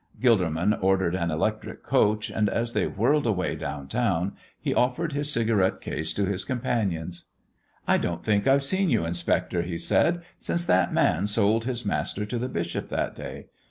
Gilderman ordered an electric coach, and as they whirled away down town he offered his cigarette case to his companions. "I don't think I've seen you, inspector," he said, "since that man sold his Master to the bishop that day.